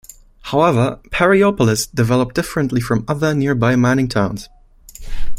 However, Perryopolis developed differently from other nearby mining towns.